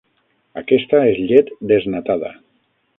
Aquesta és llet desnatada.